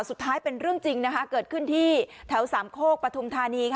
สุดท้ายเป็นเรื่องจริงเกิดขึ้นที่แถวสามโคกปฐุมธานี